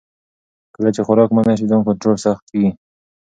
کله چې خوراک منع شي، ځان کنټرول سخت کېږي.